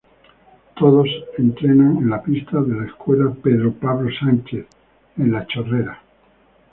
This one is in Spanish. Todos entrenan en la pista de la Escuela Pedro Pablo Sánchez, en La Chorrera.